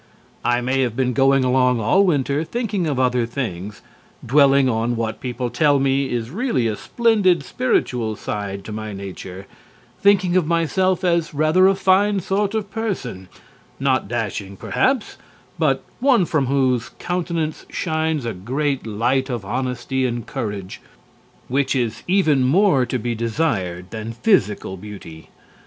I may have been going along all winter thinking of other things, dwelling on what people tell me is really a splendid spiritual side to my nature, thinking of myself as rather a fine sort of person, not dashing perhaps, but one from whose countenance shines a great light of honesty and courage which is even more to be desired than physical beauty.